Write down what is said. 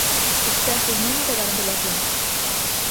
Os persas não navegaram pelo Atlântico